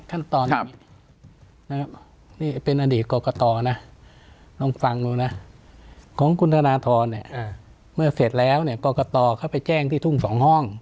ขั้นตอนนี้นี่เป็นอดีตกรกตนะลองฟังดูนะของคุณธนทรเนี่ยเมื่อเสร็จแล้วเนี่ยกรกตเขาไปแจ้งที่ทุ่ง๒ห้อง